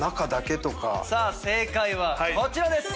さあ正解はこちらです。